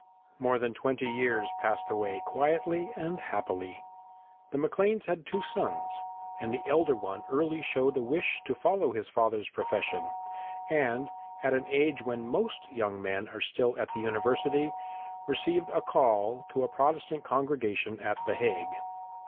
More than twenty years passed away quietly and happily. The Macleans had two sons, and the elder one early showed a wish to follow his father's profession, and, at an age when most young men are still at the University, received a 'call' to a Protestant congregation at the Hague.